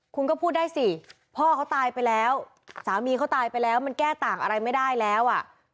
คุณก็พูดได้สิพ่อเขาตายไปแล้วสามีเขาตายไปแล้วมันแก้ต่างอะไรไม่ได้แล้วอ่ะ